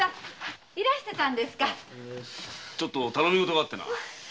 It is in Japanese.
ちょっと頼みごとがあってな。